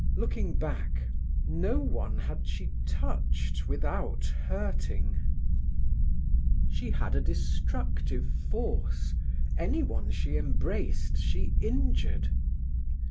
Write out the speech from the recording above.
Looking back, no one had she touched without hurting. She had a destructive force; anyone she embraced she injured.